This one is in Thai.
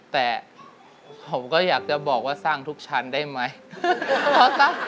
แต่ผมก็อยากจะบอกว่าสร้างทุกชั้นได้ไหม